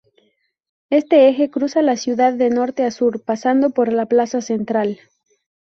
Este eje cruza la ciudad de norte a sur pasando por la plaza central.